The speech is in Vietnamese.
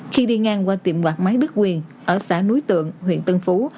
khi đi ngang qua tiệm quạt máy đức quyền ở xã núi tượng huyện tân phú